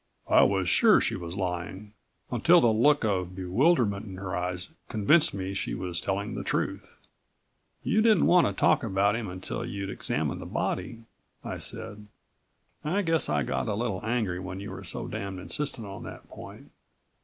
"I was sure she was lying ... until the look of bewilderment in her eyes convinced me she was telling the truth." "You didn't want to talk about him until you'd examined the body," I said. "I guess I got a little angry when you were so damned insistent on that point.